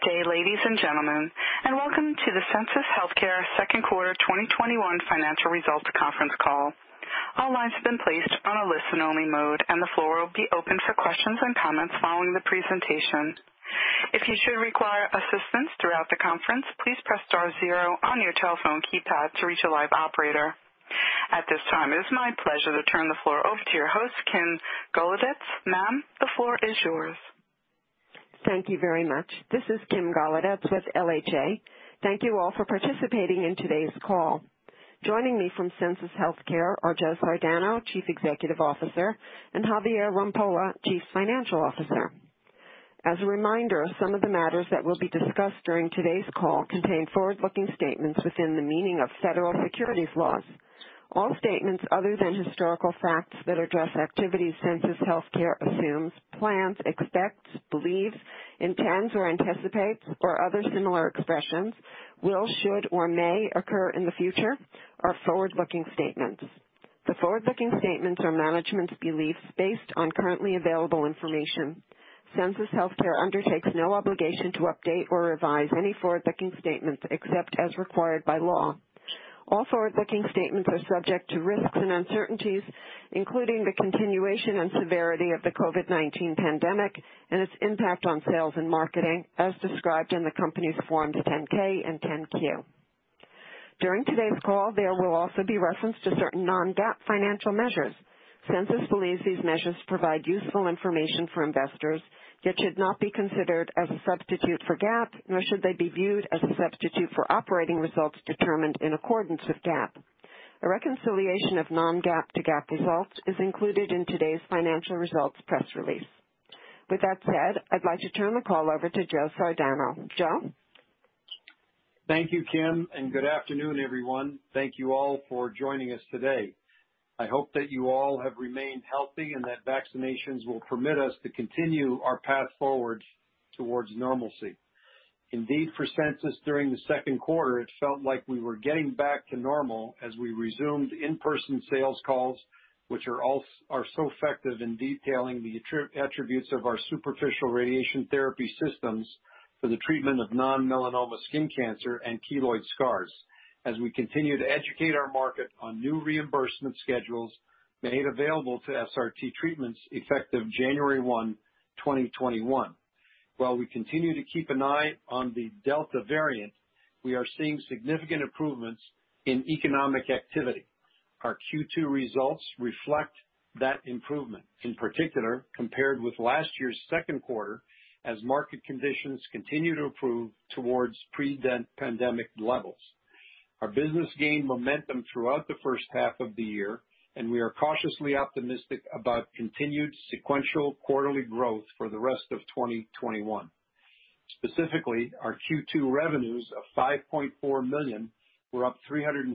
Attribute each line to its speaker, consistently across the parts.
Speaker 1: Good day, ladies and gentlemen, and welcome to the Sensus Healthcare second quarter 2021 financial results conference call. All lines have been placed on a listen-only mode, and the floor will be open for questions and comments following the presentation. If you should require assistance throughout the conference, please press star zero on your telephone keypad to reach a live operator. At this time, it is my pleasure to turn the floor over to your host, Kim Golodetz. Ma'am, the floor is yours.
Speaker 2: Thank you very much. This is Kim Golodetz with LHA. Thank you all for participating in today's call. Joining me from Sensus Healthcare are Joe Sardano, Chief Executive Officer, and Javier Rampolla, Chief Financial Officer. As a reminder, some of the matters that will be discussed during today's call contain forward-looking statements within the meaning of federal securities laws. All statements other than historical facts that address activities Sensus Healthcare assumes, plans, expects, believes, intends, or anticipates or other similar expressions will, should, or may occur in the future are forward-looking statements. The forward-looking statements are management's beliefs based on currently available information. Sensus Healthcare undertakes no obligation to update or revise any forward-looking statements except as required by law. All forward-looking statements are subject to risks and uncertainties, including the continuation and severity of the COVID-19 pandemic and its impact on sales and marketing, as described in the company's Forms 10-K and 10-Q. During today's call, there will also be reference to certain non-GAAP financial measures. Sensus believes these measures provide useful information for investors, yet should not be considered as a substitute for GAAP, nor should they be viewed as a substitute for operating results determined in accordance with GAAP. A reconciliation of non-GAAP to GAAP results is included in today's financial results press release. With that said, I'd like to turn the call over to Joe Sardano. Joe?
Speaker 3: Thank you, Kim. Good afternoon, everyone. Thank you all for joining us today. I hope that you all have remained healthy and that vaccinations will permit us to continue our path forward towards normalcy. Indeed, for Sensus during the second quarter, it felt like we were getting back to normal as we resumed in-person sales calls, which are so effective in detailing the attributes of our superficial radiation therapy systems for the treatment of non-melanoma skin cancer and keloid scars. As we continue to educate our market on new reimbursement schedules made available to SRT treatments effective January one, 2021. While we continue to keep an eye on the Delta variant, we are seeing significant improvements in economic activity. Our Q2 results reflect that improvement, in particular, compared with last year's second quarter, as market conditions continue to improve towards pre-pandemic levels. Our business gained momentum throughout the first half of the year. We are cautiously optimistic about continued sequential quarterly growth for the rest of 2021. Specifically, our Q2 revenues of $5.4 million were up 358%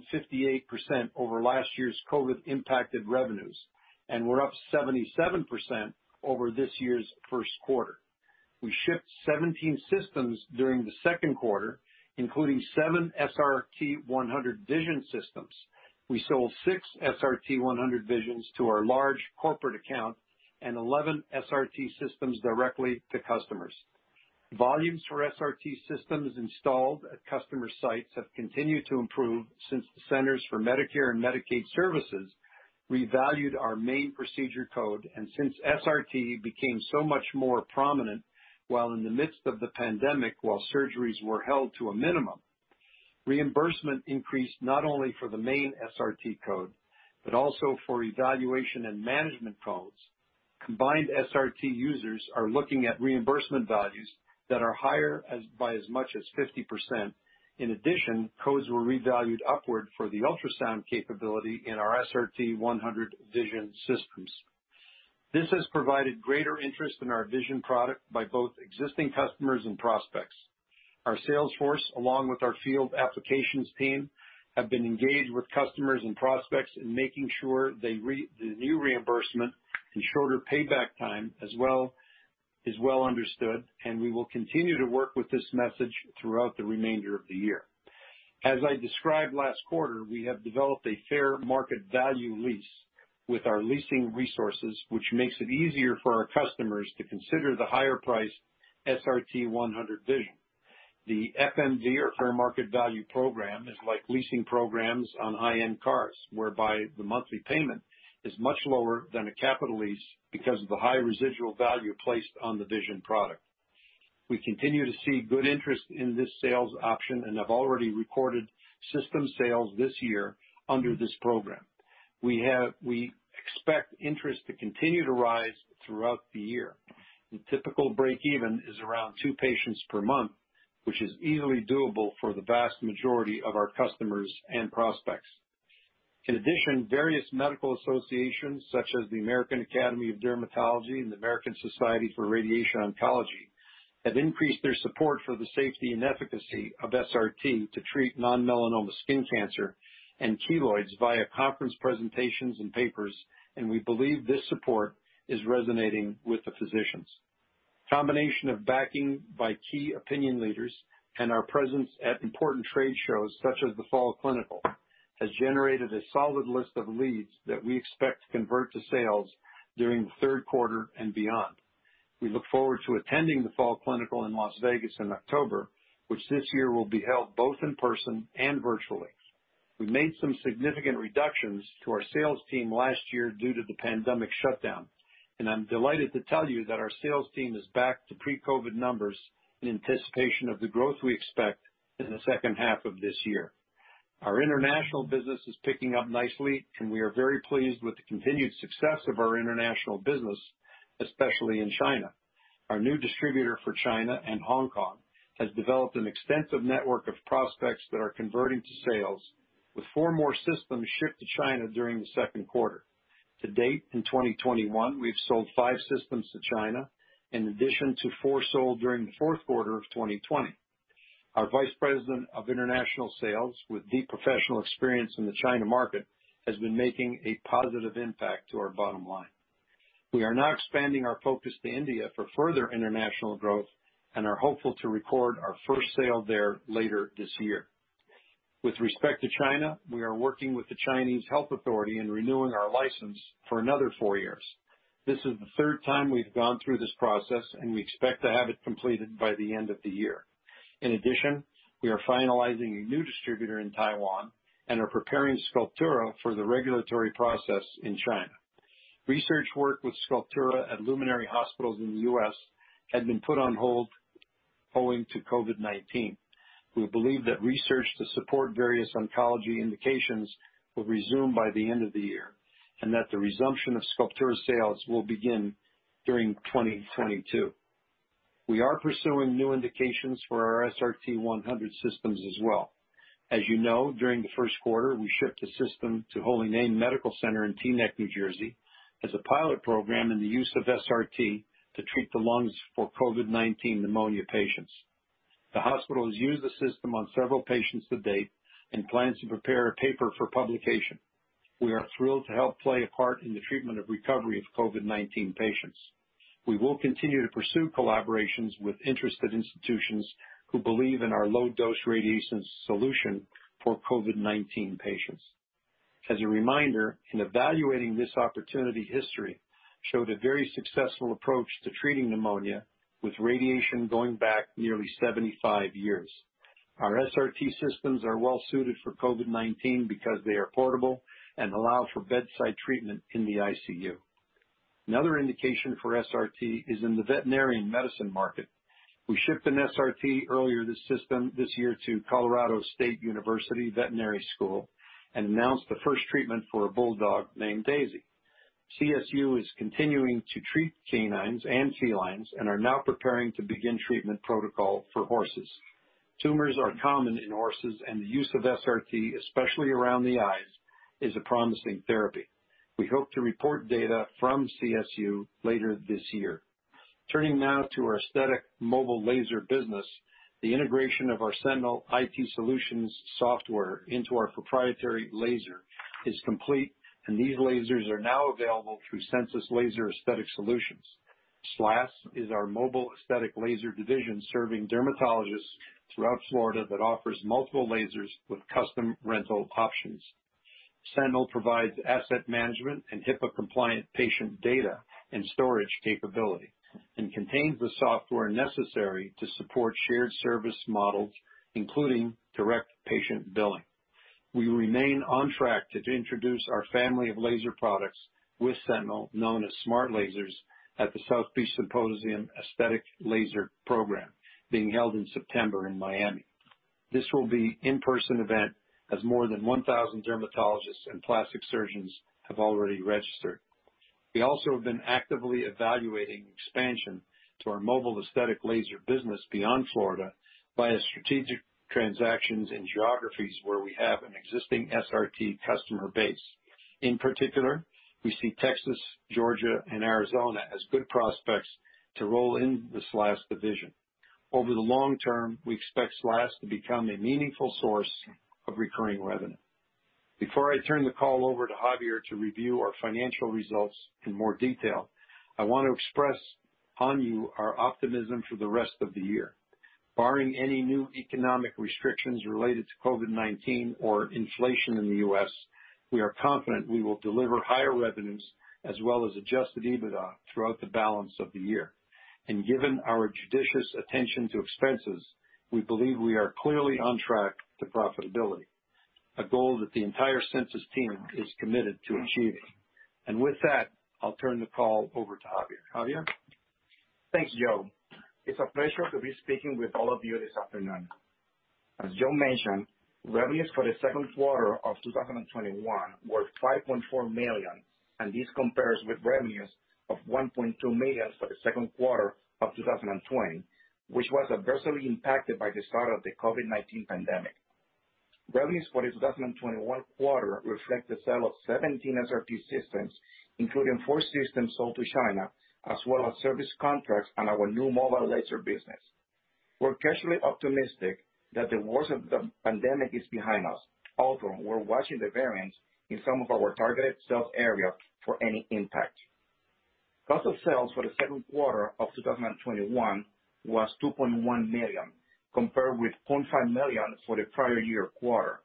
Speaker 3: over last year's COVID-impacted revenues, were up 77% over this year's first quarter. We shipped 17 systems during the second quarter, including seven SRT-100 Vision systems. We sold six SRT-100 Vision systems to our large corporate account and 11 SRT systems directly to customers. Volumes for SRT systems installed at customer sites have continued to improve since the Centers for Medicare and Medicaid Services revalued our main procedure code and since SRT became so much more prominent while in the midst of the pandemic while surgeries were held to a minimum. Reimbursement increased not only for the main SRT code, but also for evaluation and management codes. Combined SRT users are looking at reimbursement values that are higher by as much as 50%. In addition, codes were revalued upward for the ultrasound capability in our SRT-100 Vision systems. This has provided greater interest in our Vision product by both existing customers and prospects. Our sales force, along with our field applications team, have been engaged with customers and prospects in making sure the new reimbursement and shorter payback time is well understood, and we will continue to work with this message throughout the remainder of the year. As I described last quarter, we have developed a fair market value lease with our leasing resources, which makes it easier for our customers to consider the higher priced SRT-100 Vision. The FMV or fair market value program is like leasing programs on high-end cars, whereby the monthly payment is much lower than a capital lease because of the high residual value placed on the Vision product. We continue to see good interest in this sales option and have already recorded system sales this year under this program. We expect interest to continue to rise throughout the year. The typical break even is around two patients per month, which is easily doable for the vast majority of our customers and prospects. In addition, various medical associations such as the American Academy of Dermatology and the American Society for Radiation Oncology have increased their support for the safety and efficacy of SRT to treat non-melanoma skin cancer and keloids via conference presentations and papers, and we believe this support is resonating with the physicians. Combination of backing by key opinion leaders and our presence at important trade shows such as the Fall Clinical has generated a solid list of leads that we expect to convert to sales during the third quarter and beyond. We look forward to attending the Fall Clinical in Las Vegas in October, which this year will be held both in person and virtually. We made some significant reductions to our sales team last year due to the pandemic shutdown, and I'm delighted to tell you that our sales team is back to pre-COVID numbers in anticipation of the growth we expect in the second half of this year. Our international business is picking up nicely, and we are very pleased with the continued success of our international business, especially in China. Our new distributor for China and Hong Kong has developed an extensive network of prospects that are converting to sales, with four more systems shipped to China during the second quarter. To date, in 2021, we've sold five systems to China, in addition to four sold during the fourth quarter of 2020. Our vice president of international sales, with deep professional experience in the China market, has been making a positive impact to our bottom line. We are now expanding our focus to India for further international growth and are hopeful to record our first sale there later this year. With respect to China, we are working with the Chinese health authority in renewing our license for another four years. This is the third time we've gone through this process, and we expect to have it completed by the end of the year. In addition, we are finalizing a new distributor in Taiwan and are preparing Sculptura for the regulatory process in China. Research work with Sculptura at luminary hospitals in the U.S. had been put on hold owing to COVID-19. We believe that research to support various oncology indications will resume by the end of the year, and that the resumption of Sculptura sales will begin during 2022. We are pursuing new indications for our SRT-100 systems as well. As you know, during the first quarter, we shipped a system to Holy Name Medical Center in Teaneck, New Jersey, as a pilot program in the use of SRT to treat the lungs for COVID-19 pneumonia patients. The hospital has used the system on several patients to date and plans to prepare a paper for publication. We are thrilled to help play a part in the treatment of recovery of COVID-19 patients. We will continue to pursue collaborations with interested institutions who believe in our low-dose radiation solution for COVID-19 patients. As a reminder, in evaluating this opportunity, history showed a very successful approach to treating pneumonia with radiation going back nearly 75 years. Our SRT systems are well suited for COVID-19 because they are portable and allow for bedside treatment in the ICU. Another indication for SRT is in the veterinarian medicine market. We shipped an SRT earlier this year to Colorado State University Veterinary School and announced the first treatment for a bulldog named Daisy. CSU is continuing to treat canines and felines and are now preparing to begin treatment protocol for horses. Tumors are common in horses, and the use of SRT, especially around the eyes, is a promising therapy. We hope to report data from CSU later this year. Turning now to our aesthetic mobile laser business. The integration of our Sentinel IT Solutions software into our proprietary laser is complete, and these lasers are now available through Sensus Laser Aesthetic Solutions. SLAS is our mobile aesthetic laser division serving dermatologists throughout Florida that offers multiple lasers with custom rental options. Sentinel provides asset management and HIPAA-compliant patient data and storage capability and contains the software necessary to support shared service models, including direct patient billing. We remain on track to introduce our family of laser products with Sentinel, known as Smart Lasers, at the South Beach Symposium Aesthetic Laser program being held in September in Miami. This will be an in-person event, as more than 1,000 dermatologists and plastic surgeons have already registered. We also have been actively evaluating expansion to our mobile aesthetic laser business beyond Florida via strategic transactions in geographies where we have an existing SRT customer base. In particular, we see Texas, Georgia, and Arizona as good prospects to roll in the SLAS division. Over the long term, we expect SLAS to become a meaningful source of recurring revenue. Before I turn the call over to Javier to review our financial results in more detail, I want to express on you our optimism for the rest of the year. Barring any new economic restrictions related to COVID-19 or inflation in the U.S., we are confident we will deliver higher revenues as well as adjusted EBITDA throughout the balance of the year. Given our judicious attention to expenses, we believe we are clearly on track to profitability, a goal that the entire Sensus team is committed to achieving. With that, I'll turn the call over to Javier. Javier?
Speaker 4: Thanks, Joe. It's a pleasure to be speaking with all of you this afternoon. As Joe mentioned, revenues for the second quarter of 2021 were $5.4 million, and this compares with revenues of $1.2 million for the second quarter of 2020, which was adversely impacted by the start of the COVID-19 pandemic. Revenues for the 2021 quarter reflect the sale of 17 SRT systems, including four systems sold to China, as well as service contracts on our new mobile laser business. We're cautiously optimistic that the worst of the pandemic is behind us, although we're watching the variants in some of our targeted sales areas for any impact. Cost of sales for the second quarter of 2021 was $2.1 million, compared with $0.5 million for the prior year quarter.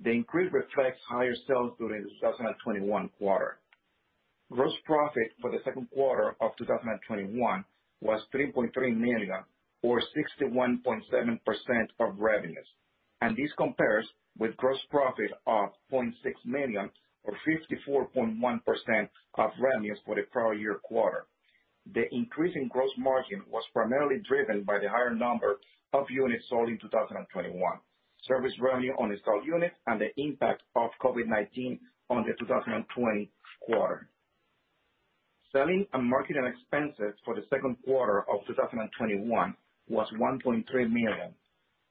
Speaker 4: The increase reflects higher sales during the 2021 quarter. Gross profit for the second quarter of 2021 was $3.3 million, or 61.7% of revenues. This compares with gross profit of $0.6 million or 54.1% of revenues for the prior year quarter. The increase in gross margin was primarily driven by the higher number of units sold in 2021, service revenue on installed units, and the impact of COVID-19 on the 2020 quarter. Selling and marketing expenses for the second quarter of 2021 was $1.3 million,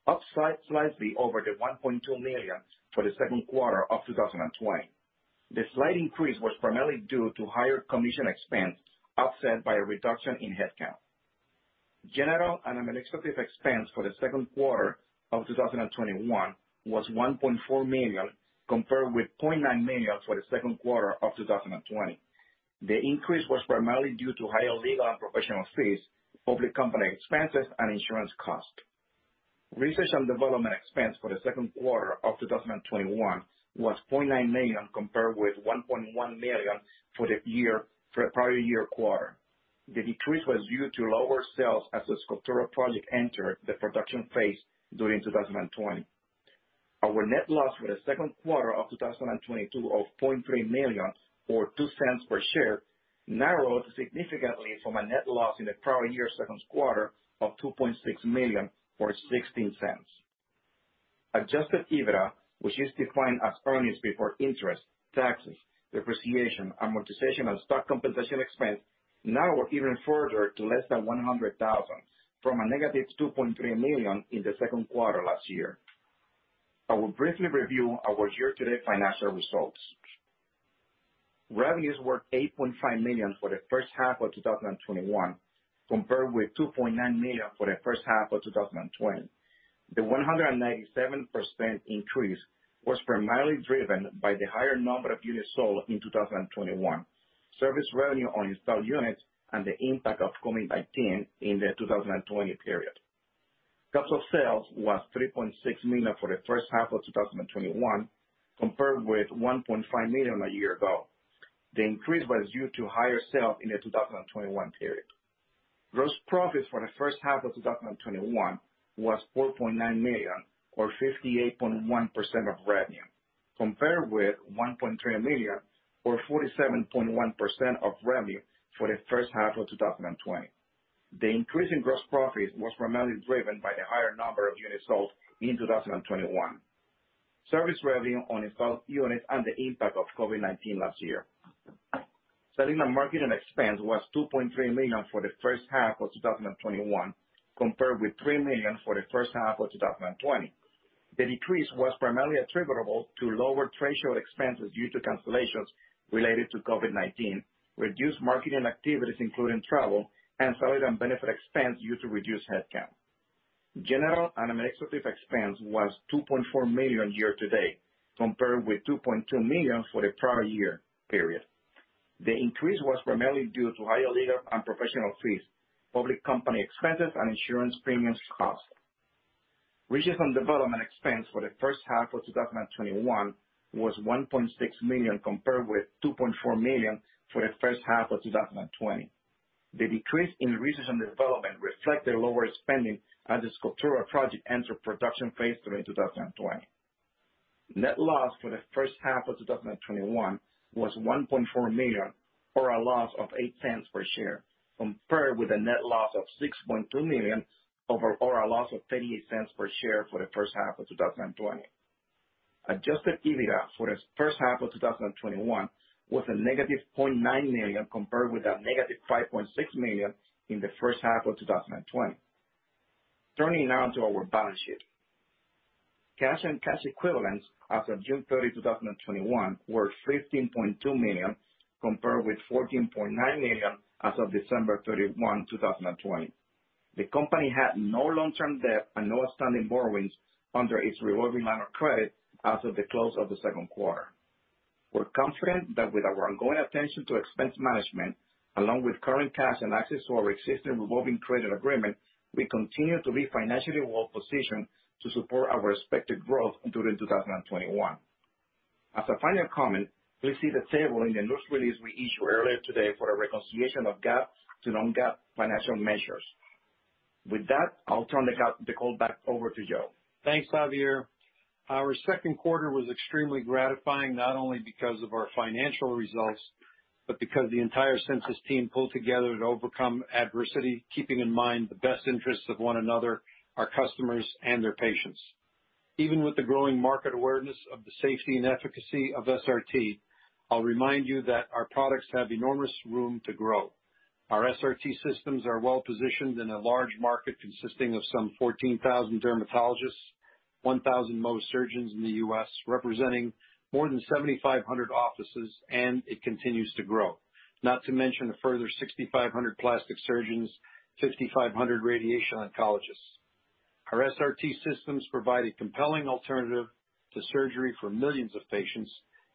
Speaker 4: up slightly over the $1.2 million for the second quarter of 2020. The slight increase was primarily due to higher commission expense, offset by a reduction in headcount. General and administrative expense for the second quarter of 2021 was $1.4 million, compared with $0.9 million for the second quarter of 2020. The increase was primarily due to higher legal and professional fees, public company expenses, and insurance cost. Research and development expense for the second quarter of 2021 was $0.9 million, compared with $1.1 million for the prior year quarter. The decrease was due to lower sales as the Sculptura project entered the production phase during 2020. Our net loss for the second quarter of 2022 of $0.3 million, or $0.02 per share, narrowed significantly from a net loss in the prior year second quarter of $2.6 million or $0.16. Adjusted EBITDA, which is defined as earnings before interest, taxes, depreciation, amortization, and stock compensation expense, narrowed even further to less than $100,000 from a negative $2.3 million in the second quarter last year. I will briefly review our year-to-date financial results. Revenues were $8.5 million for the first half of 2021, compared with $2.9 million for the first half of 2020. The 197% increase was primarily driven by the higher number of units sold in 2021, service revenue on installed units, and the impact of COVID-19 in the 2020 period. Cost of sales was $3.6 million for the first half of 2021, compared with $1.5 million a year ago. The increase was due to higher sales in the 2021 period. Gross profits for the first half of 2021 was $4.9 million, or 58.1% of revenue, compared with $1.3 million or 47.1% of revenue for the first half of 2020. The increase in gross profits was primarily driven by the higher number of units sold in 2021, service revenue on installed units, and the impact of COVID-19 last year. Selling and marketing expense was $2.3 million for the first half of 2021, compared with $3 million for the first half of 2020. The decrease was primarily attributable to lower trade show expenses due to cancellations related to COVID-19, reduced marketing activities, including travel, and salary and benefit expense due to reduced headcount. General and administrative expense was $2.4 million year to date, compared with $2.2 million for the prior year period. The increase was primarily due to higher legal and professional fees, public company expenses, and insurance premiums cost. Research and development expense for the first half of 2021 was $1.6 million, compared with $2.4 million for the first half of 2020. The decrease in research and development reflect the lower spending as the Sculptura project entered production phase during 2020. Net loss for the first half of 2021 was $1.4 million or a loss of $0.08 per share, compared with a net loss of $6.2 million or a loss of $0.38 per share for the first half of 2020. Adjusted EBITDA for the first half of 2021 was a -$0.9 million, compared with a -$5.6 million in the first half of 2020. Turning now to our balance sheet. Cash and cash equivalents as of June 30, 2021, were $15.2 million, compared with $14.9 million as of December 31, 2020. The company had no long-term debt and no outstanding borrowings under its revolving line of credit as of the close of the second quarter. We're confident that with our ongoing attention to expense management, along with current cash and access to our existing revolving credit agreement, we continue to be financially well-positioned to support our expected growth during 2021. As a final comment, please see the table in the news release we issued earlier today for a reconciliation of GAAP to non-GAAP financial measures. With that, I'll turn the call back over to Joe.
Speaker 3: Thanks, Javier. Our second quarter was extremely gratifying, not only because of our financial results, but because the entire Sensus team pulled together to overcome adversity, keeping in mind the best interests of one another, our customers, and their patients. Even with the growing market awareness of the safety and efficacy of SRT, I'll remind you that our products have enormous room to grow. Our SRT systems are well positioned in a large market consisting of some 14,000 dermatologists, 1,000 Mohs surgeons in the U.S., representing more than 7,500 offices, and it continues to grow. Not to mention a further 6,500 plastic surgeons, 6,500 radiation oncologists. Our SRT systems provide a compelling alternative to surgery for millions of patients,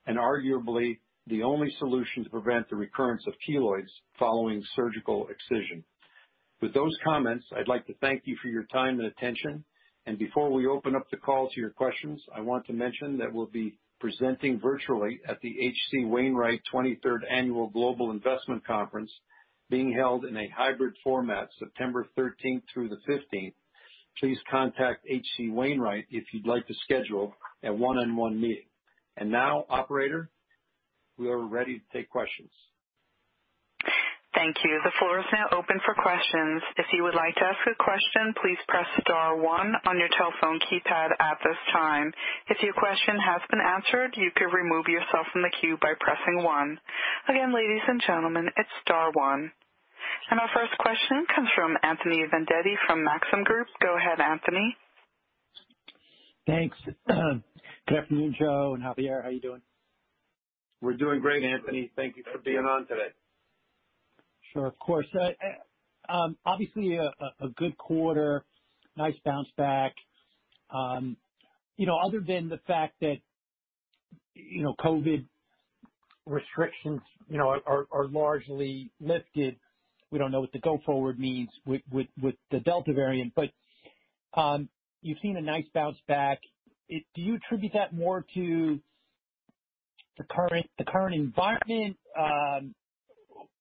Speaker 3: and arguably, the only solution to prevent the recurrence of keloids following surgical excision. With those comments, I'd like to thank you for your time and attention, and before we open up the call to your questions, I want to mention that we'll be presenting virtually at the H.C. Wainwright 23rd Annual Global Investment Conference, being held in a hybrid format September 13th through the 15th. Please contact H.C. Wainwright if you'd like to schedule a one-on-one meeting. Now, operator, we are ready to take questions.
Speaker 1: Thank you. The floor is now open for questions. If you would like to ask a question, please press star one on your telephone keypad at this time. If your question has been answered, you can remove yourself from the queue by pressing one. Again, ladies and gentlemen, it is star one. Our first question comes from Anthony Vendetti from Maxim Group. Go ahead, Anthony.
Speaker 5: Thanks. Good afternoon, Joe and Javier. How you doing?
Speaker 3: We're doing great, Anthony. Thank you for being on today.
Speaker 5: Sure. Of course. Obviously, a good quarter, nice bounce back. Other than the fact that COVID restrictions are largely lifted, we don't know what the go-forward means with the Delta variant. You've seen a nice bounce back. Do you attribute that more to the current environment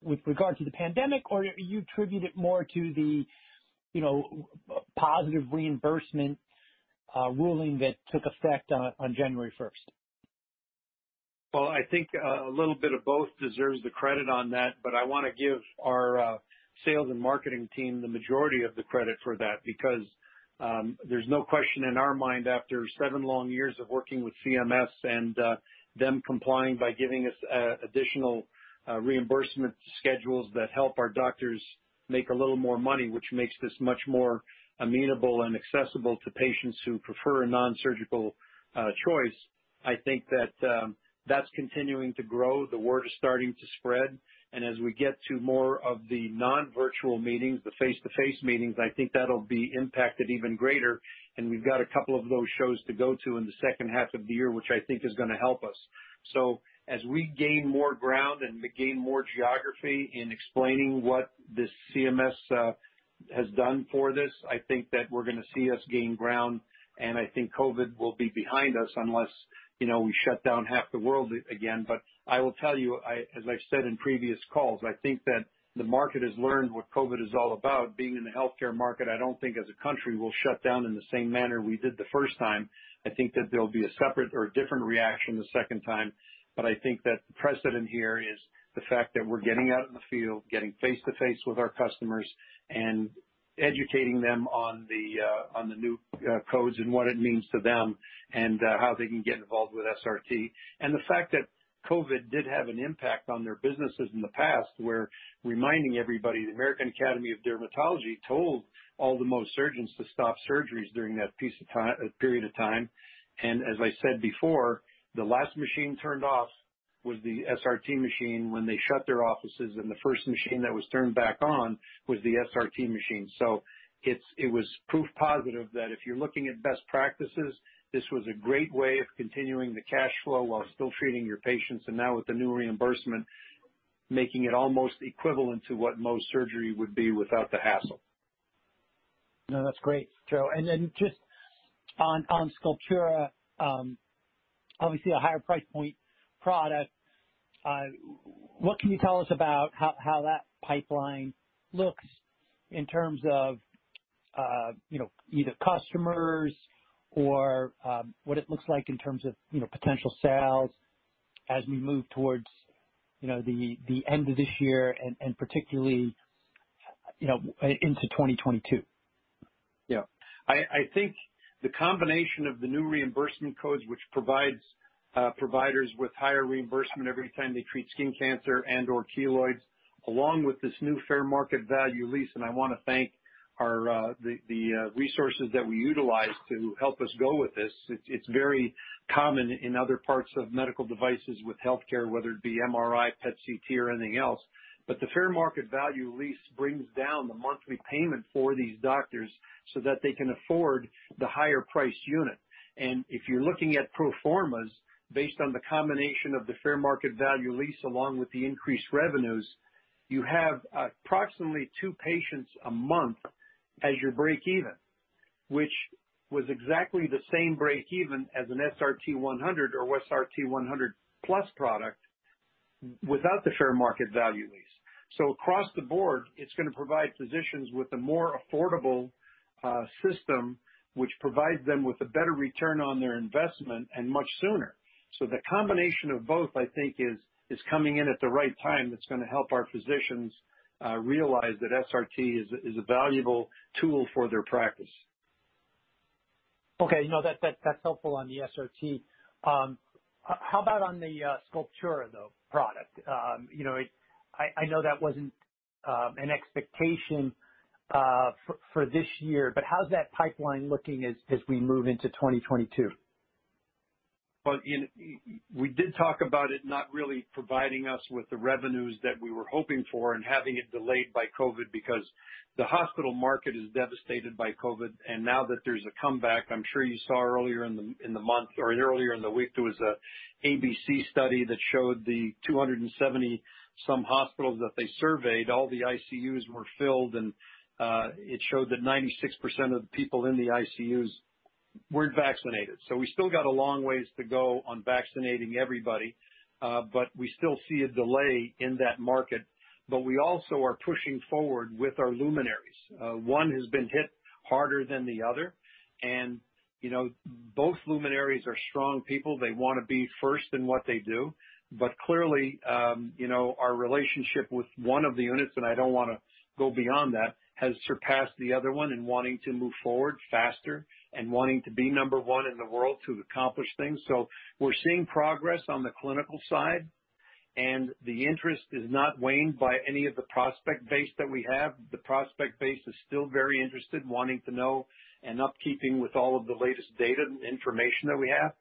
Speaker 5: with regard to the pandemic, or you attribute it more to the positive reimbursement ruling that took effect on January 1st?
Speaker 3: Well, I think a little bit of both deserves the credit on that, but I want to give our sales and marketing team the majority of the credit for that, because there's no question in our mind, after seven long years of working with CMS and them complying by giving us additional reimbursement schedules that help our doctors make a little more money, which makes this much more amenable and accessible to patients who prefer a non-surgical choice. I think that's continuing to grow. The word is starting to spread, and as we get to more of the non-virtual meetings, the face-to-face meetings, I think that'll be impacted even greater. We've got a couple of those shows to go to in the second half of the year, which I think is going to help us. As we gain more ground and gain more geography in explaining what this CMS has done for this, I think that we're going to see us gain ground, and I think COVID will be behind us unless we shut down half the world again. I will tell you, as I've said in previous calls, I think that the market has learned what COVID is all about. Being in the healthcare market, I don't think as a country we'll shut down in the same manner we did the first time. I think that there'll be a separate or a different reaction the second time. I think that the precedent here is the fact that we're getting out in the field, getting face-to-face with our customers, and educating them on the new codes and what it means to them and how they can get involved with SRT. The fact that COVID did have an impact on their businesses in the past. We're reminding everybody, the American Academy of Dermatology told all the Mohs surgeons to stop surgeries during that period of time, and as I said before, the last machine turned off was the SRT machine when they shut their offices, and the first machine that was turned back on was the SRT machine. It was proof positive that if you're looking at best practices, this was a great way of continuing the cash flow while still treating your patients. Now with the new reimbursement, making it almost equivalent to what Mohs surgery would be without the hassle.
Speaker 5: No, that's great, Joe. Just on Sculptura, obviously a higher price point product. What can you tell us about how that pipeline looks in terms of either customers or what it looks like in terms of potential sales as we move towards the end of this year and particularly into 2022?
Speaker 3: Yeah. I think the combination of the new reimbursement codes, which provides providers with higher reimbursement every time they treat skin cancer and/or keloids, along with this new fair market value lease, and I want to thank the resources that we utilize to help us go with this. It's very common in other parts of medical devices with healthcare, whether it be MRI, PET/CT, or anything else. The fair market value lease brings down the monthly payment for these doctors so that they can afford the higher priced unit. If you're looking at pro formas based on the combination of the fair market value lease along with the increased revenues, you have approximately two patients a month as your break even, which was exactly the same break even as an SRT-100 or SRT-100+ product without the fair market value lease. Across the board, it's going to provide physicians with a more affordable system which provides them with a better return on their investment and much sooner. The combination of both, I think, is coming in at the right time. It's going to help our physicians realize that SRT is a valuable tool for their practice.
Speaker 5: Okay. No, that's helpful on the SRT. How about on the Sculptura, though, product? I know that wasn't an expectation for this year, but how's that pipeline looking as we move into 2022?
Speaker 3: We did talk about it not really providing us with the revenues that we were hoping for and having it delayed by COVID because the hospital market is devastated by COVID. Now that there's a comeback, I'm sure you saw earlier in the month or earlier in the week, there was an ABC study that showed the 270-some hospitals that they surveyed, all the ICUs were filled, and it showed that 96% of the people in the ICUs weren't vaccinated. We still got a long ways to go on vaccinating everybody, but we still see a delay in that market. We also are pushing forward with our luminaries. One has been hit harder than the other, and both luminaries are strong people. They want to be first in what they do. Clearly, our relationship with one of the units, and I don't want to go beyond that, has surpassed the other one in wanting to move forward faster and wanting to be number 1 in the world to accomplish things. We're seeing progress on the clinical side, and the interest is not waned by any of the prospect base that we have. The prospect base is still very interested, wanting to know, and up keeping with all of the latest data and information that we have.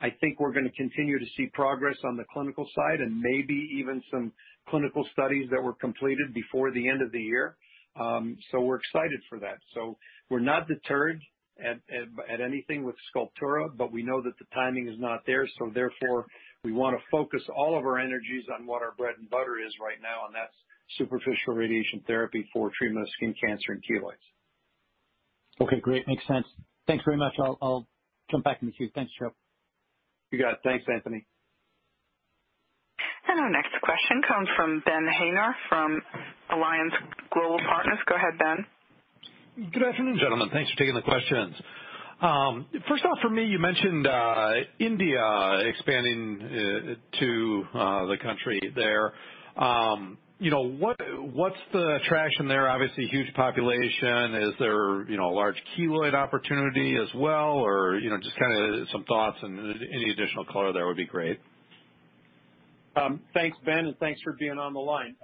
Speaker 3: I think we're going to continue to see progress on the clinical side and maybe even some clinical studies that were completed before the end of the year. We're excited for that. We're not deterred at anything with Sculptura, but we know that the timing is not there, so therefore, we want to focus all of our energies on what our bread and butter is right now, and that's Superficial Radiation Therapy for treatment of skin cancer and keloids.
Speaker 5: Okay, great. Makes sense. Thanks very much. I'll jump back in the queue. Thanks, Joe.
Speaker 3: You got it. Thanks, Anthony.
Speaker 1: Our next question comes from Ben Haynor from Alliance Global Partners. Go ahead, Ben.
Speaker 6: Good afternoon, gentlemen. Thanks for taking the questions. First off for me, you mentioned India, expanding to the country there. What's the traction there? Obviously, huge population. Is there a large keloid opportunity as well? Just kind of some thoughts and any additional color there would be great.
Speaker 3: Thanks, Ben, and thanks for being on the line.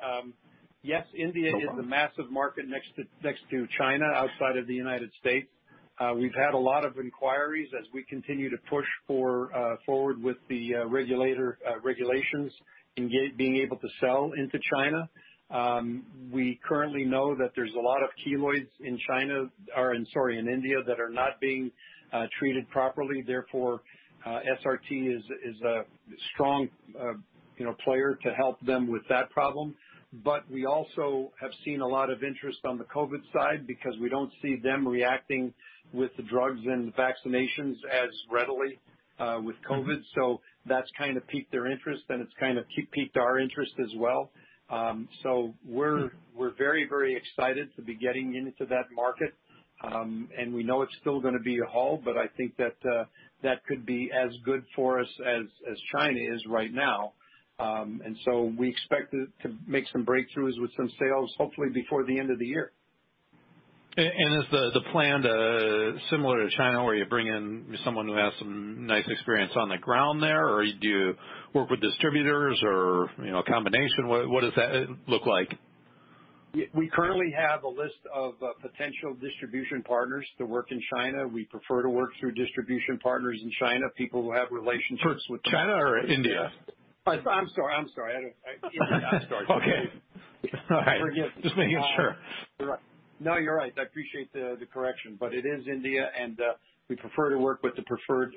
Speaker 3: Yes, India is a massive market next to China, outside of the United States. We've had a lot of inquiries as we continue to push forward with the regulations and being able to sell into China. We currently know that there's a lot of keloids in India that are not being treated properly, therefore, SRT is a strong player to help them with that problem. We also have seen a lot of interest on the COVID side because we don't see them reacting with the drugs and vaccinations as readily with COVID. That's kind of piqued their interest, and it's kind of piqued our interest as well. We're very excited to be getting into that market, and we know it's still going to be a haul, but I think that could be as good for us as China is right now. We expect to make some breakthroughs with some sales, hopefully before the end of the year.
Speaker 6: Is the plan similar to China, where you bring in someone who has some nice experience on the ground there, or do you work with distributors or a combination? What does that look like?
Speaker 3: We currently have a list of potential distribution partners that work in China. We prefer to work through distribution partners in China, people who have relationships with-
Speaker 6: For China or India?
Speaker 3: I'm sorry. I forgot to start.
Speaker 6: Okay. All right.
Speaker 3: Forgive me.
Speaker 6: Just making sure.
Speaker 3: No, you're right. I appreciate the correction. It is India, and we prefer to work with a preferred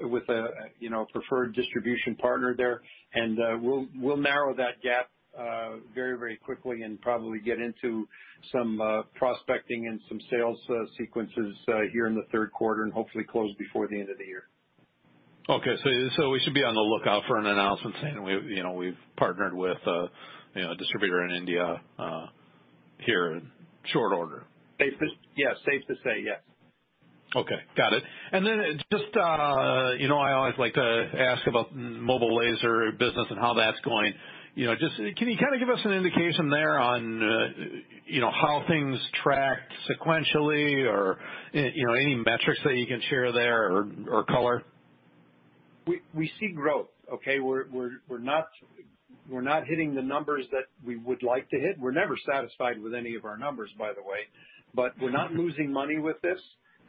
Speaker 3: distribution partner there, and we'll narrow that gap very quickly and probably get into some prospecting and some sales sequences here in the third quarter, and hopefully close before the end of the year.
Speaker 6: Okay. We should be on the lookout for an announcement saying we've partnered with a distributor in India here in short order.
Speaker 3: Yes. Safe to say, yes.
Speaker 6: Okay, got it. I always like to ask about mobile laser business and how that's going. Can you kind of give us an indication there on how things tracked sequentially or any metrics that you can share there or color?
Speaker 3: We see growth, okay. We're not hitting the numbers that we would like to hit. We're never satisfied with any of our numbers, by the way. We're not losing money with this.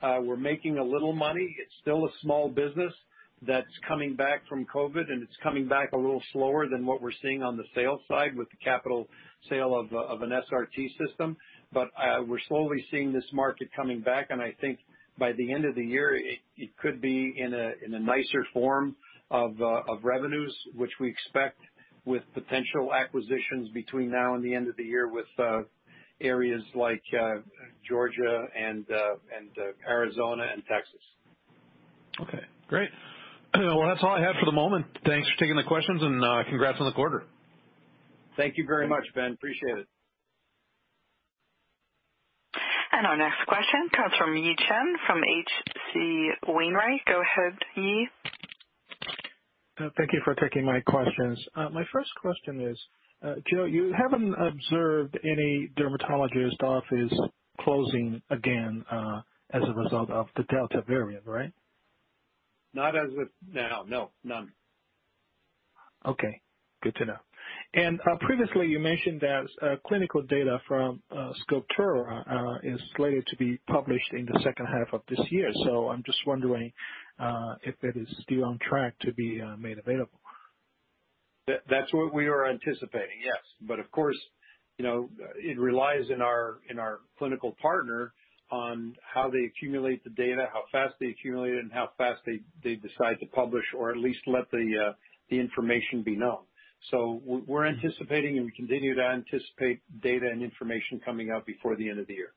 Speaker 3: We're making a little money. It's still a small business that's coming back from COVID-19, and it's coming back a little slower than what we're seeing on the sales side with the capital sale of an SRT system. We're slowly seeing this market coming back, and I think by the end of the year, it could be in a nicer form of revenues, which we expect with potential acquisitions between now and the end of the year with areas like Georgia and Arizona and Texas.
Speaker 6: Okay, great. That's all I have for the moment. Thanks for taking the questions, and congrats on the quarter.
Speaker 3: Thank you very much, Ben. Appreciate it.
Speaker 1: Our next question comes from Yi Chen from H.C. Wainwright. Go ahead, Yi.
Speaker 7: Thank you for taking my questions. My first question is, Joe, you haven't observed any dermatologist offices closing again as a result of the Delta variant, right?
Speaker 3: Not as of now. No, none.
Speaker 7: Okay, good to know. Previously you mentioned that clinical data from Sculptura is slated to be published in the second half of this year. I'm just wondering if that is still on track to be made available?
Speaker 3: That's what we are anticipating, yes. Of course, it relies in our clinical partner on how they accumulate the data, how fast they accumulate it, and how fast they decide to publish or at least let the information be known. We're anticipating and we continue to anticipate data and information coming out before the end of the year.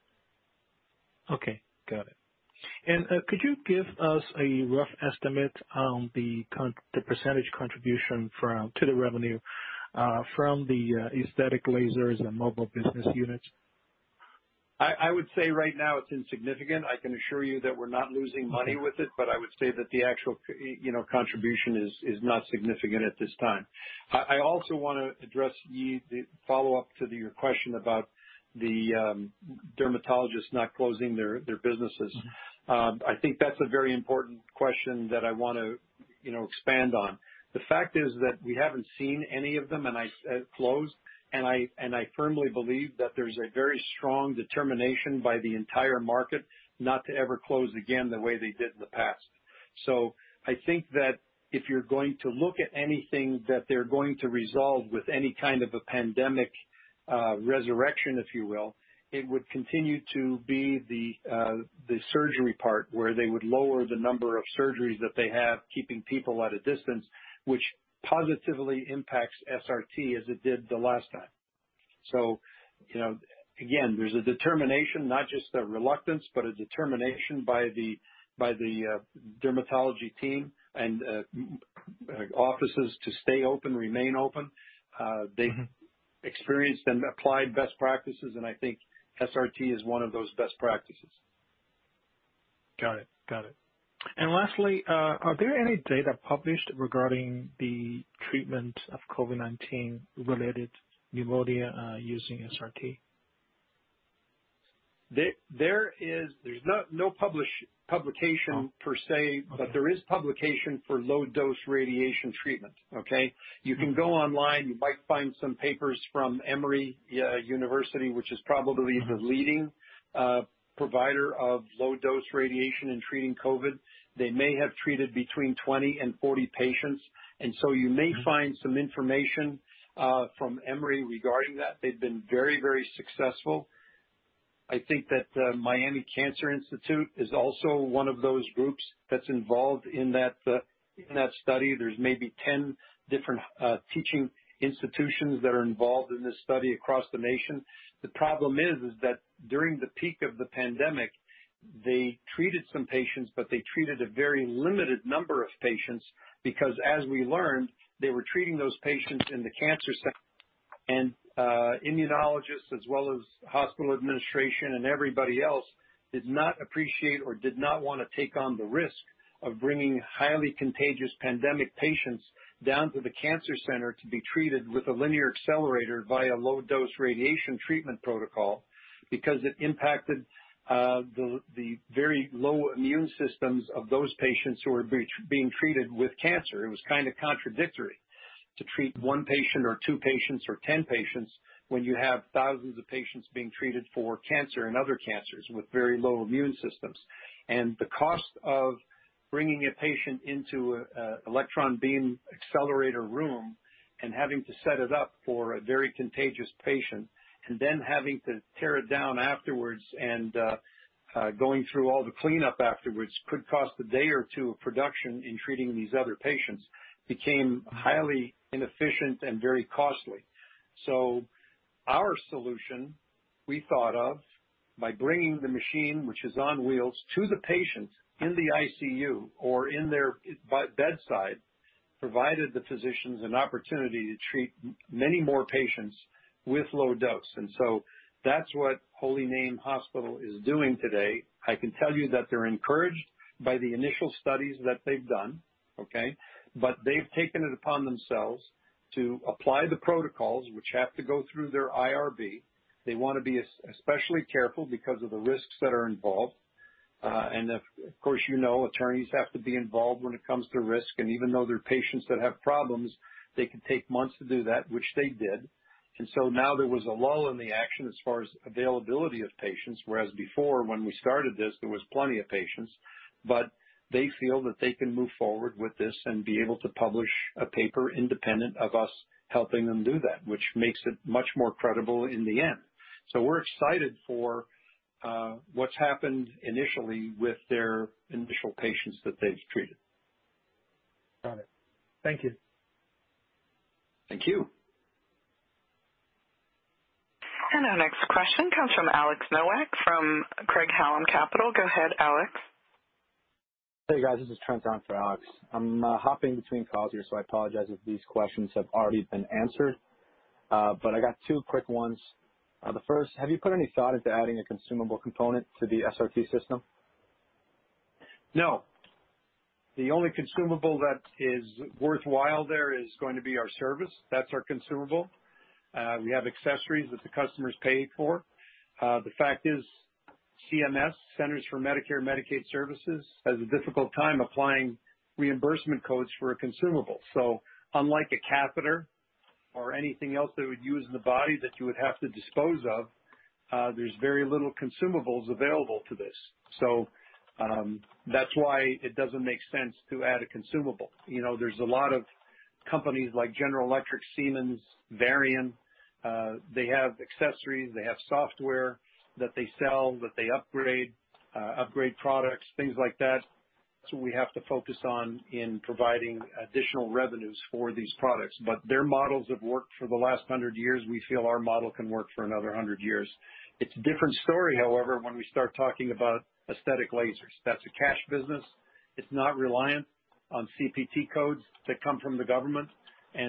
Speaker 7: Okay. Got it. Could you give us a rough estimate on the percentage contribution to the revenue from the aesthetic lasers and mobile business units?
Speaker 3: I would say right now it's insignificant. I can assure you that we're not losing money with it, but I would say that the actual contribution is not significant at this time. I also want to address the follow-up to your question about the dermatologists not closing their businesses. I think that's a very important question that I want to expand on. The fact is that we haven't seen any of them close, and I firmly believe that there's a very strong determination by the entire market not to ever close again the way they did in the past. I think that if you're going to look at anything that they're going to resolve with any kind of a pandemic resurrection, if you will, it would continue to be the surgery part, where they would lower the number of surgeries that they have, keeping people at a distance, which positively impacts SRT as it did the last time. Again, there's a determination, not just a reluctance, but a determination by the dermatology team and offices to stay open, remain open. They experienced and applied best practices, and I think SRT is one of those best practices.
Speaker 7: Got it. Lastly, are there any data published regarding the treatment of COVID-19 related pneumonia using SRT?
Speaker 3: There's no publication per se, but there is publication for low-dose radiation treatment. Okay? You can go online. You might find some papers from Emory University, which is probably the leading provider of low-dose radiation in treating COVID. They may have treated between 20 and 40 patients, and so you may find some information from Emory regarding that. They've been very successful. I think that the Miami Cancer Institute is also one of those groups that's involved in that study. There's maybe 10 different teaching institutions that are involved in this study across the nation. The problem is that during the peak of the pandemic, they treated some patients, but they treated a very limited number of patients because as we learned, they were treating those patients in the cancer center, and immunologists as well as hospital administration and everybody else did not appreciate or did not want to take on the risk of bringing highly contagious pandemic patients down to the cancer center to be treated with a linear accelerator via low-dose radiation treatment protocol because it impacted the very low immune systems of those patients who were being treated with cancer. It was kind of contradictory to treat one patient or two patients or 10 patients when you have thousands of patients being treated for cancer and other cancers with very low immune systems. The cost of bringing a patient into an electron beam accelerator room and having to set it up for a very contagious patient and then having to tear it down afterwards and going through all the cleanup afterwards could cost a day or two of production in treating these other patients became highly inefficient and very costly. Our solution we thought of by bringing the machine, which is on wheels, to the patient in the ICU or in their bedside, provided the physicians an opportunity to treat many more patients with low dose. That's what Holy Name Medical Center is doing today. I can tell you that they're encouraged by the initial studies that they've done. They've taken it upon themselves to apply the protocols which have to go through their IRB. They want to be especially careful because of the risks that are involved. Of course, you know, attorneys have to be involved when it comes to risk. Even though they're patients that have problems, they can take months to do that, which they did. Now there was a lull in the action as far as availability of patients, whereas before when we started this, there was plenty of patients. They feel that they can move forward with this and be able to publish a paper independent of us helping them do that, which makes it much more credible in the end. We're excited for what's happened initially with their initial patients that they've treated.
Speaker 7: Got it. Thank you.
Speaker 3: Thank you.
Speaker 1: Our next question comes from Alex Nowak from Craig-Hallum Capital. Go ahead, Alex.
Speaker 8: Hey, guys. This is Trent on for Alex. I'm hopping between calls here, so I apologize if these questions have already been answered. I got two quick ones. The first, have you put any thought into adding a consumable component to the SRT system?
Speaker 3: No. The only consumable that is worthwhile there is going to be our service. That's our consumable. We have accessories that the customers pay for. The fact is CMS, Centers for Medicare and Medicaid Services, has a difficult time applying reimbursement codes for a consumable. Unlike a catheter or anything else that we use in the body that you would have to dispose of, there's very little consumables available to this. That's why it doesn't make sense to add a consumable. There's a lot of companies like General Electric, Siemens, Varian, they have accessories, they have software that they sell, that they upgrade products, things like that. That's what we have to focus on in providing additional revenues for these products. Their models have worked for the last 100 years. We feel our model can work for another 100 years. It's a different story, however, when we start talking about aesthetic lasers. That's a cash business. It's not reliant on CPT codes that come from the government.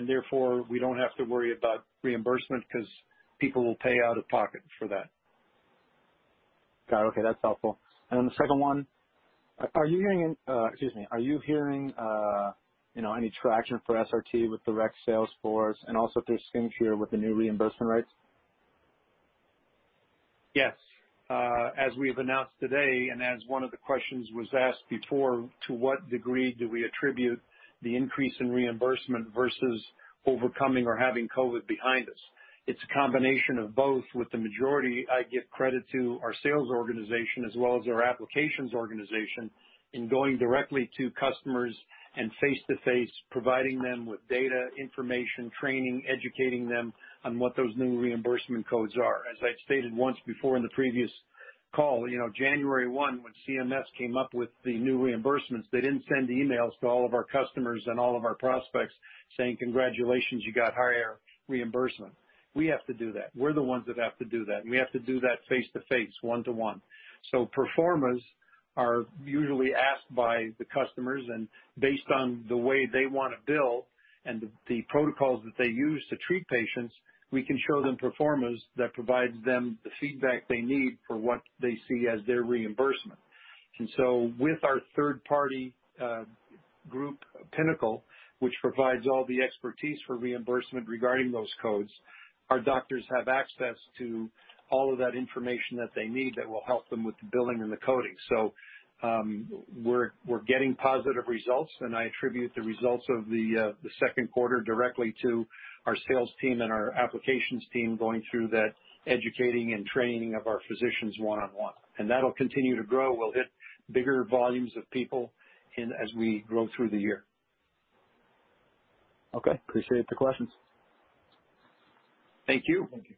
Speaker 3: Therefore, we don't have to worry about reimbursement because people will pay out of pocket for that.
Speaker 8: Got it. Okay, that's helpful. The second one, are you hearing any traction for SRT with direct sales force and also through skintrail with the new reimbursement rates?
Speaker 3: Yes. As we have announced today and as one of the questions was asked before, to what degree do we attribute the increase in reimbursement versus overcoming or having COVID-19 behind us? It's a combination of both. With the majority, I give credit to our sales organization as well as our applications organization in going directly to customers and face-to-face providing them with data, information, training, educating them on what those new reimbursement codes are. As I've stated once before in the previous call, January 1, when CMS came up with the new reimbursements, they didn't send emails to all of our customers and all of our prospects saying, "Congratulations, you got higher reimbursement." We have to do that. We're the ones that have to do that, and we have to do that face-to-face, one-to-one. Pro formas are usually asked by the customers, and based on the way they want to bill and the protocols that they use to treat patients, we can show them pro formas that provides them the feedback they need for what they see as their reimbursement. With our third-party group, Pinnacle, which provides all the expertise for reimbursement regarding those codes, our doctors have access to all of that information that they need that will help them with the billing and the coding. We're getting positive results, and I attribute the results of the second quarter directly to our sales team and our applications team going through that educating and training of our physicians one-on-one. That'll continue to grow. We'll hit bigger volumes of people as we grow through the year.
Speaker 8: Okay. Appreciate the questions.
Speaker 3: Thank you.
Speaker 8: Thank you.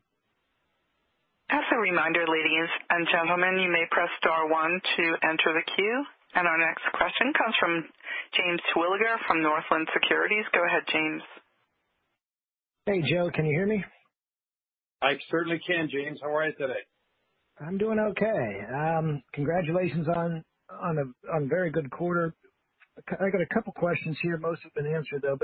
Speaker 1: As a reminder, ladies and gentlemen, you may press star one to enter the queue. Our next question comes from James Terwilliger from Northland Securities. Go ahead, James.
Speaker 9: Hey, Joe. Can you hear me?
Speaker 3: I certainly can, James. How are you today?
Speaker 9: I'm doing okay. Congratulations on a very good quarter. I got a couple questions here. Most have been answered, though.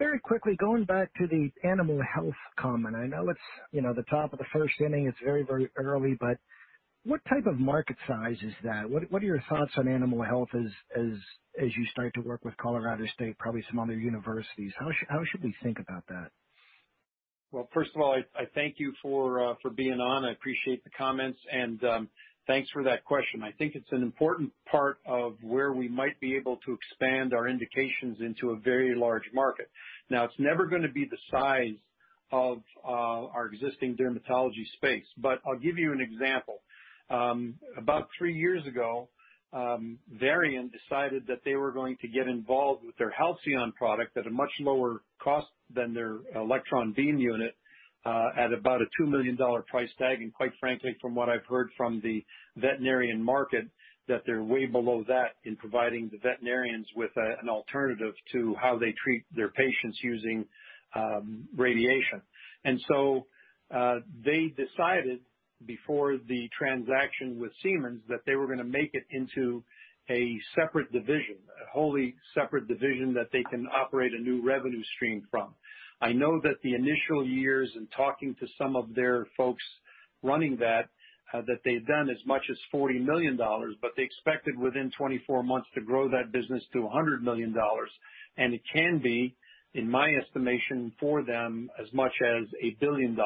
Speaker 9: Very quickly, going back to the animal health comment. I know it's the top of the first inning, it's very early, but what type of market size is that? What are your thoughts on animal health as you start to work with Colorado State, probably some other universities? How should we think about that?
Speaker 3: Well, first of all, I thank you for being on. I appreciate the comments, and thanks for that question. I think it's an important part of where we might be able to expand our indications into a very large market. Now, it's never going to be the size of our existing dermatology space, but I'll give you an example. About three years ago, Varian decided that they were going to get involved with their Halcyon product at a much lower cost than their electron beam unit, at about a $2 million price tag. Quite frankly, from what I've heard from the veterinarian market, that they're way below that in providing the veterinarians with an alternative to how they treat their patients using radiation. They decided before the transaction with Siemens that they were going to make it into a separate division, a wholly separate division that they can operate a new revenue stream from. I know that the initial years in talking to some of their folks running that they've done as much as $40 million, but they expected within 24 months to grow that business to $100 million. It can be, in my estimation, for them as much as $1 billion.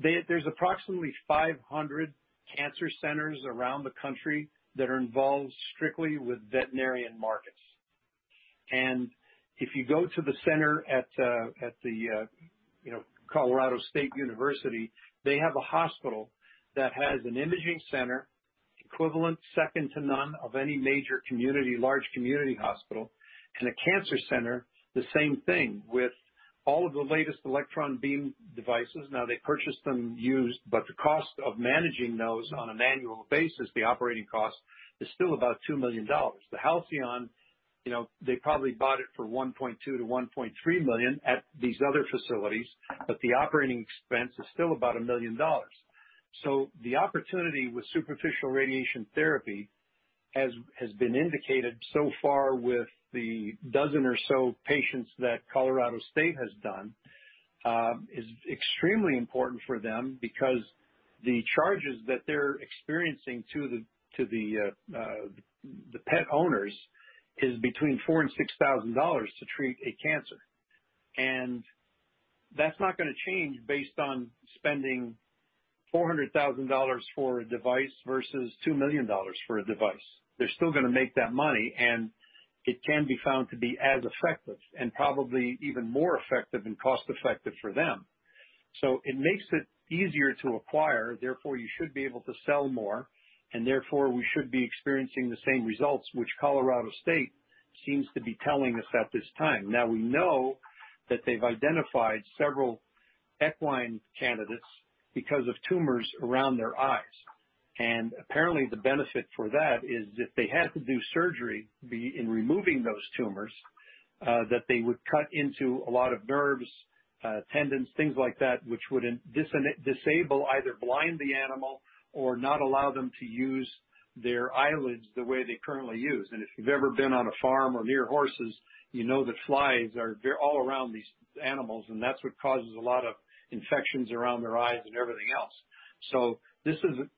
Speaker 3: There's approximately 500 cancer centers around the country that are involved strictly with veterinary markets. If you go to the center at the Colorado State University, they have a hospital that has an imaging center equivalent second to none of any major community, large community hospital, and a cancer center, the same thing with all of the latest electron beam devices. They purchased them used, but the cost of managing those on an annual basis, the operating cost, is still about $2 million. The Halcyon, they probably bought it for $1.2 million-$1.3 million at these other facilities, the operating expense is still about $1 million. The opportunity with Superficial Radiation Therapy has been indicated so far with the 12 or so patients that Colorado State has done, is extremely important for them because the charges that they're experiencing to the pet owners is between $4,000-$6,000 to treat a cancer. That's not going to change based on spending $400,000 for a device versus $2 million for a device. They're still going to make that money, it can be found to be as effective, and probably even more effective and cost-effective for them. It makes it easier to acquire, therefore you should be able to sell more, therefore we should be experiencing the same results which Colorado State seems to be telling us at this time. We know that they've identified several equine candidates because of tumors around their eyes. Apparently the benefit for that is if they had to do surgery in removing those tumors, that they would cut into a lot of nerves, tendons, things like that, which would disable, either blind the animal or not allow them to use their eyelids the way they currently use. If you've ever been on a farm or near horses, you know that flies are all around these animals, and that's what causes a lot of infections around their eyes and everything else.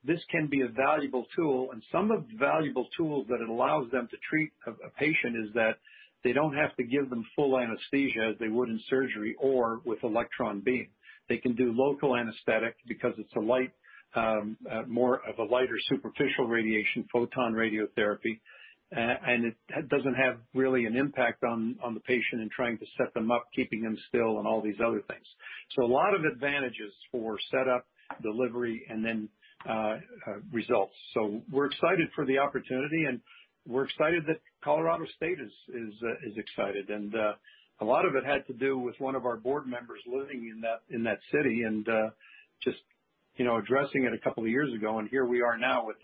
Speaker 3: This can be a valuable tool. Some of the valuable tools that it allows them to treat a patient is that they don't have to give them full anesthesia as they would in surgery or with electron beam. They can do local anesthetic because it's more of a lighter superficial radiation, photon radiotherapy. It doesn't have really an impact on the patient in trying to set them up, keeping them still and all these other things. A lot of advantages for setup, delivery, and then results. We're excited for the opportunity and we're excited that Colorado State is excited. A lot of it had to do with one of our board members living in that city and just addressing it a couple of years ago. Here we are now with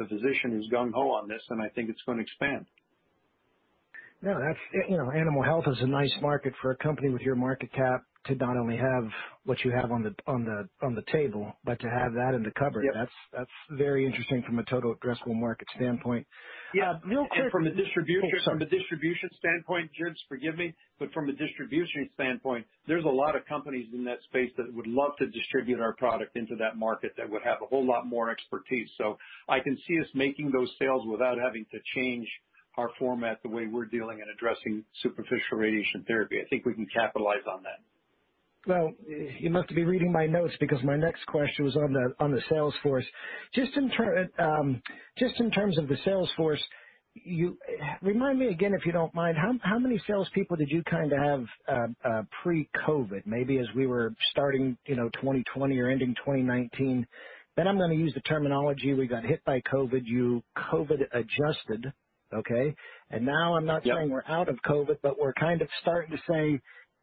Speaker 3: a physician who's gung ho on this, and I think it's going to expand.
Speaker 9: Yeah. Animal health is a nice market for a company with your market cap to not only have what you have on the table, but to have that in the cover.
Speaker 3: Yep.
Speaker 9: That's very interesting from a total addressable market standpoint.
Speaker 3: Yeah. From the distribution standpoint, George, forgive me, but from a distribution standpoint, there's a lot of companies in that space that would love to distribute our product into that market that would have a whole lot more expertise. I can see us making those sales without having to change our format the way we're dealing and addressing Superficial Radiation Therapy. I think we can capitalize on that.
Speaker 9: Well, you must be reading my notes because my next question was on the sales force. Just in terms of the sales force, remind me again, if you don't mind, how many salespeople did you have pre-COVID? Maybe as we were starting 2020 or ending 2019. I'm going to use the terminology, we got hit by COVID, you COVID adjusted. Okay? Now I'm not saying we're out of COVID, but we're kind of starting to say,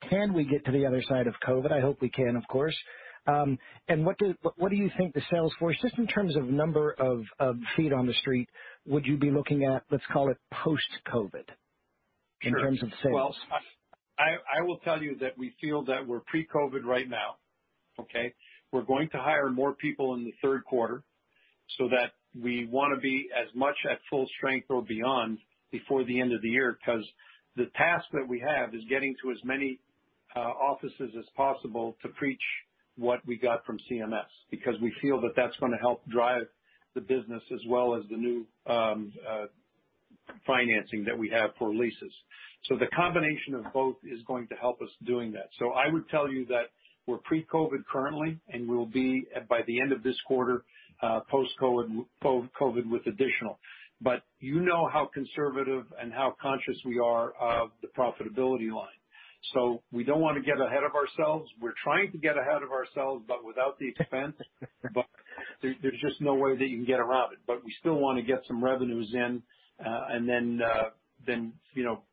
Speaker 9: can we get to the other side of COVID? I hope we can, of course. What do you think the sales force, just in terms of number of feet on the street, would you be looking at, let's call it post-COVID in terms of sales?
Speaker 3: Well, I will tell you that we feel that we're pre-COVID right now. Okay? We're going to hire more people in the third quarter so that we want to be as much at full strength or beyond before the end of the year because the task that we have is getting to as many offices as possible to preach what we got from CMS, because we feel that that's going to help drive the business as well as the new financing that we have for leases. The combination of both is going to help us doing that. I would tell you that we're pre-COVID currently, and we'll be by the end of this quarter post-COVID with additional. You know how conservative and how conscious we are of the profitability line. We don't want to get ahead of ourselves. We're trying to get ahead of ourselves, but without the expense. There's just no way that you can get around it. We still want to get some revenues in and then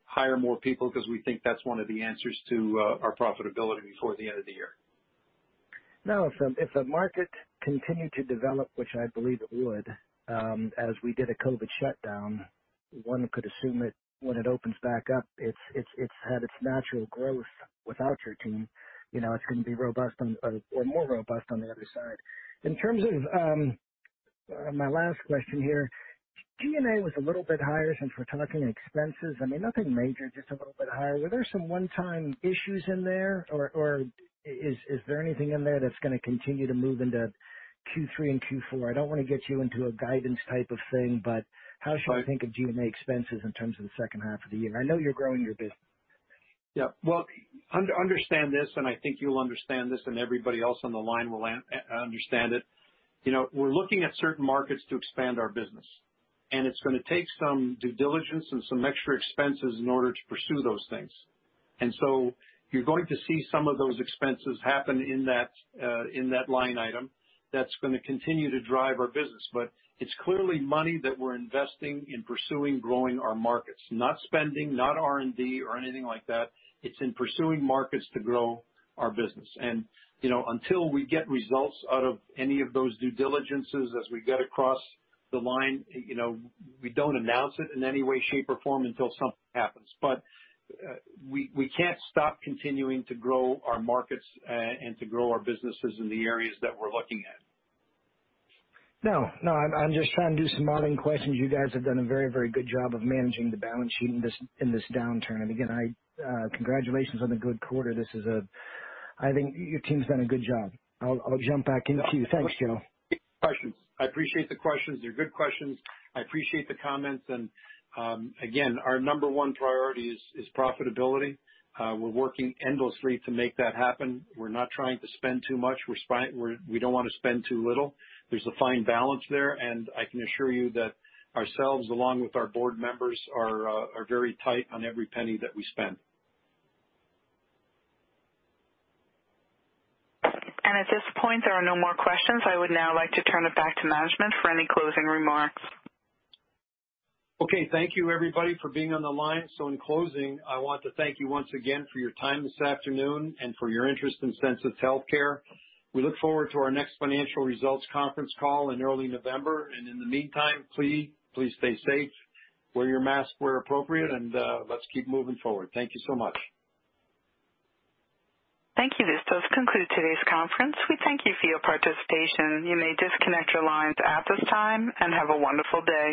Speaker 3: hire more people because we think that's one of the answers to our profitability before the end of the year.
Speaker 9: If the market continued to develop, which I believe it would as we did a COVID shutdown, one could assume that when it opens back up, it's had its natural growth without your team. It's going to be robust or more robust on the other side. In terms of my last question here, G&A was a little bit higher since we're talking expenses. I mean, nothing major, just a little bit higher. Were there some one-time issues in there? Is there anything in there that's going to continue to move into Q3 and Q4? I don't want to get you into a guidance type of thing, but how should I think of G&A expenses in terms of the second half of the year? I know you're growing your business.
Speaker 3: Well, understand this, I think you'll understand this and everybody else on the line will understand it. We're looking at certain markets to expand our business. It's going to take some due diligence and some extra expenses in order to pursue those things. You're going to see some of those expenses happen in that line item that's going to continue to drive our business. It's clearly money that we're investing in pursuing growing our markets. Not spending, not R&D or anything like that. It's in pursuing markets to grow our business. Until we get results out of any of those due diligences as we get across the line, we don't announce it in any way, shape, or form until something happens. We can't stop continuing to grow our markets and to grow our businesses in the areas that we're looking at.
Speaker 9: No. I'm just trying to do some modeling questions. You guys have done a very, very good job of managing the balance sheet in this downturn. Again, congratulations on a good quarter. I think your team's done a good job. I'll jump back into you. Thanks, Joe.
Speaker 3: Questions. I appreciate the questions. They're good questions. I appreciate the comments and again, our number one priority is profitability. We're working endlessly to make that happen. We're not trying to spend too much. We don't want to spend too little. There's a fine balance there, and I can assure you that ourselves along with our board members are very tight on every penny that we spend.
Speaker 1: At this point, there are no more questions. I would now like to turn it back to management for any closing remarks.
Speaker 3: Okay. Thank you everybody for being on the line. In closing, I want to thank you once again for your time this afternoon and for your interest in Sensus Healthcare. We look forward to our next financial results conference call in early November. In the meantime, please stay safe. Wear your mask where appropriate. Let's keep moving forward. Thank you so much.
Speaker 1: Thank you. This does conclude today's conference. We thank you for your participation. You may disconnect your lines at this time, and have a wonderful day.